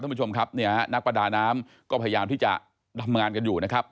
ท่านผู้ชมครับเนี่ยนักประดาน้ำก็พยายามที่จะทำงานกันอยู่นะครับ